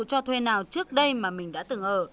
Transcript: cho thuê nào trước đây mà mình đã từng ở